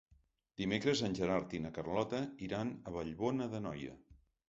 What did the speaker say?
Dimecres en Gerard i na Carlota iran a Vallbona d'Anoia.